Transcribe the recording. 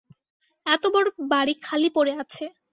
এতবড় বাড়ি খালি পড়ে আছে।